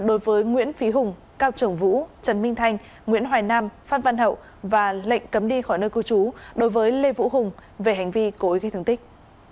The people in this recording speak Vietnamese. đối với nguyễn phí hùng cao trưởng vũ trần minh thành nguyễn hoài nam phan văn hậu và lệnh cấm đi khỏi nơi cư trú đối với lê vũ hùng về hành vi cố ý gây thương tích